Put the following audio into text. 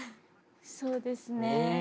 そうですね。